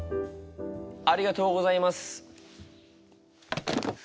ありがとうございます。